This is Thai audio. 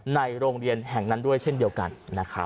ในโรงเรียนแห่งนั้นด้วยเช่นเดียวกันนะครับ